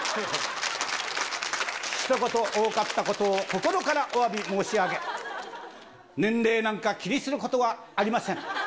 ひと言多かったことを心からおわび申し上げ、年齢なんか気にすることはありません。